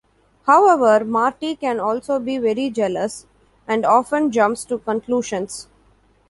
However, Marty can also be very jealous, and often jumps to conclusions.